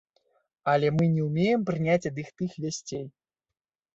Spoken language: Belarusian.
Але мы не ўмеем прыняць ад іх тых вясцей.